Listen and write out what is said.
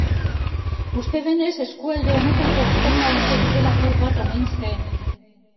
Uste denez eskualde honetako ospe txarreko bide-lapur bat omen zen.